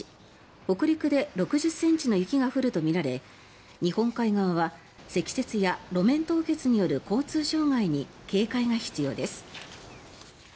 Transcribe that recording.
北陸で６０ｃｍの雪が降るとみられ日本海側は積雪や路面凍結による交通障害に警戒が必要です。